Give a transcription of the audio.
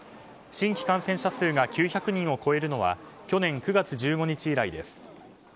新規感染者数が９００人を超えるのは去年９月１５日以来です。